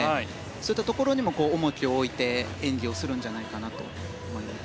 そういったところにも重きを置いて演技をするんじゃないかなと思います。